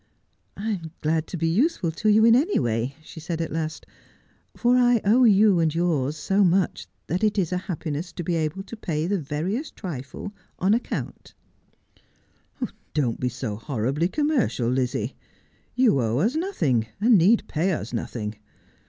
' I am glad to be useful to you in any way,' she said at last, ' for I owe you and yours so much that it is a happiness to be able to pay the veriest trifle — on account.' The Man called Tinker. 237 ' Don't be so horribly commercial, Lizzie. You owe us nothing, and need pay us nothing.